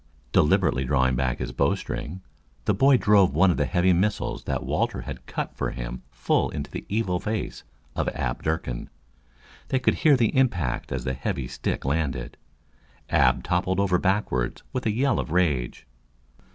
Deliberately drawing back his bowstring, the boy drove one of the heavy missiles that Walter had cut for him full into the evil face of Ab Durkin. They could hear the impact as the heavy stick landed. Ab toppled over backwards with a yell of rage.